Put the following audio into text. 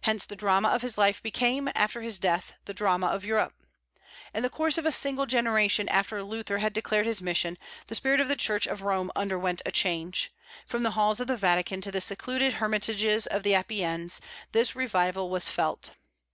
Hence the drama of his life became, after his death, the drama of Europe. In the course of a single generation after Luther had declared his mission, the spirit of the Church of Rome underwent a change. From the halls of the Vatican to the secluded hermitages of the Apennines this revival was felt.